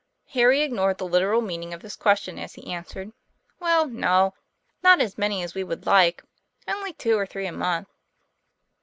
Harry ignored the literal meaning of this ques tion as he answered: "Well, no; not as many as we would like. Only two or three a month."